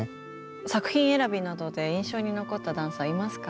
作品選びなどで印象に残ったダンサーいますか？